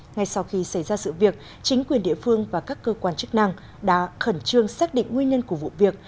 ngay sau khi xảy ra sự việc chính quyền địa phương và các cơ quan chức năng đã khẩn trương xác định nguyên nhân của vụ việc